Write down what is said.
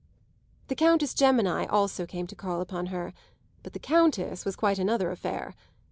The Countess Gemini also came to call upon her, but the Countess was quite another affair.